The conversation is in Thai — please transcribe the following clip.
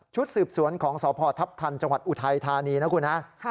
ชุดสืบสวนของสระภทัพธัณฑ์จอุทัยธานีนะครับ